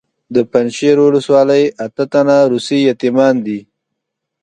د پنجشیر ولسوالۍ اته تنه روسي یتیمان دي.